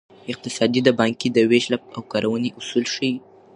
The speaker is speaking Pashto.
اقتصاد د پانګې د ویش او کارونې اصول ښيي.